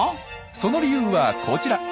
その理由はこちら。